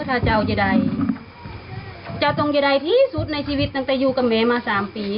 ถ้าเจ้าจะได้ที่สุดในชีวิตตั้งแต่อยู่กับแม่มา๓ปี